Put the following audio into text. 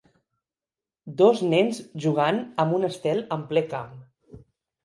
Dos nens jugant amb un estel en ple camp.